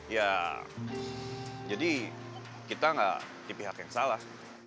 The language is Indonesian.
ya jadi kita nggak di pihak yang salah